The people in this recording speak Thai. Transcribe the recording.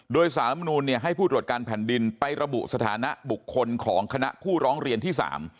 โดยสารมนูลให้ผู้ตรวจการแผ่นดินไประบุสถานะบุคคลของคณะผู้ร้องเรียนที่๓